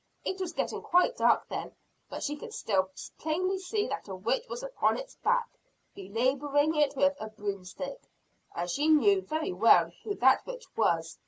It was getting quite dark then, but she could still plainly see that a witch was upon its back, belaboring it with a broomstick. And she knew very well who that witch was.